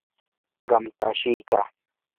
qamtam ashiykaa.